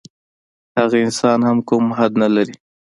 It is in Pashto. هغه انسان هم کوم حد نه لري.